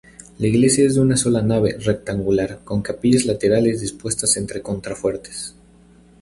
La iglesia es de una sola nave, rectangular, con capillas laterales dispuestas entre contrafuertes.